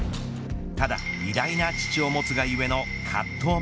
ただ、偉大な父を持つが故の葛藤も。